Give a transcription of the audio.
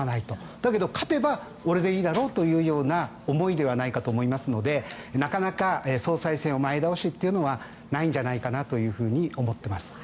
だけど、勝てば俺でいいだろという思いではないかと思いますのでなかなか、総裁選を前倒しというのはないんじゃないかなと思っています。